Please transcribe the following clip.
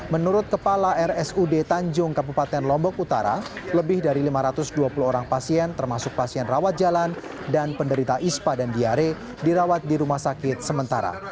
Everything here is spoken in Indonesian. menurut kepala rsud tanjung kabupaten lombok utara lebih dari lima ratus dua puluh orang pasien termasuk pasien rawat jalan dan penderita ispa dan diare dirawat di rumah sakit sementara